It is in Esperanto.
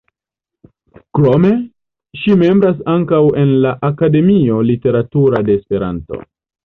Krome, ŝi membras ankaŭ en la Akademio Literatura de Esperanto.